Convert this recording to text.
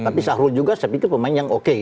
tapi sahrul juga saya pikir pemain yang oke